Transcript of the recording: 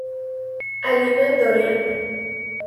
Alina Dorian.